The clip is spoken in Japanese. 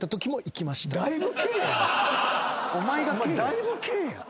だいぶＫやん。